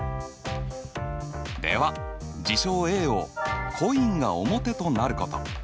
では事象Ａを「コインが表となること」。